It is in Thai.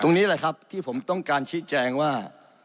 ตรงนี้แหละครับที่ผมต้องการชี้แจงว่า